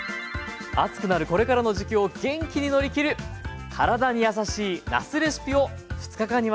暑くなるこれからの時期を元気に乗りきる体にやさしいなすレシピを２日間にわたってご紹介します。